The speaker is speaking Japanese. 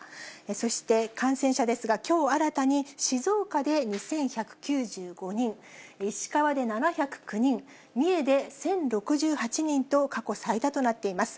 そして、感染者ですが、きょう、新たに静岡で２１９５人、石川で７０９人、三重で１０６８人と、過去最多となっています。